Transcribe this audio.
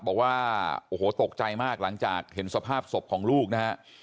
บอกว่าโอ้โหตกใจมากหลังจากเห็นสภาพศพของลูกนะฮะ